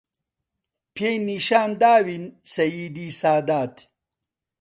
پێی نیشان داوین سەییدی سادات